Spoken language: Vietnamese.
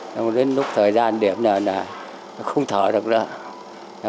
nó đến lúc thời gian điểm là nó không thở được nữa